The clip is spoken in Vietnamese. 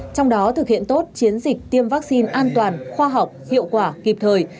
trong đó thực hiện tốt chiến dịch tiêm vaccine an toàn khoa học hiệu quả kịp thời